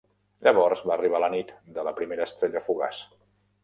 Llavors va arribar la nit de la primera estrella fugaç.